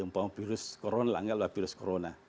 tentang virus corona langgar lah virus corona